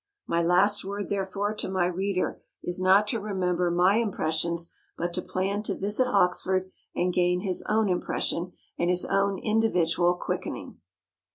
My last word, therefore, to my reader is not to remember my impressions, but to plan to visit Oxford and gain his own impression, and his own individual quickening.